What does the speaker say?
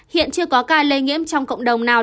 hiện chưa có ca lây nhiễm trong cộng đồng nào